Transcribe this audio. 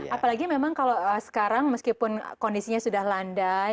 apalagi memang kalau sekarang meskipun kondisinya sudah landai